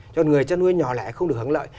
cho người chăn nuôi nhỏ lẻ không được hưởng lợi